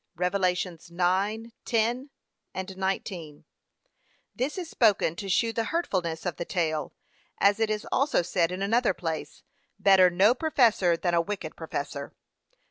(Rev. 9:10, 19) This is spoken to shew the hurtfulness of the tail, as it is also said in another place. Better no professor than a wicked professor.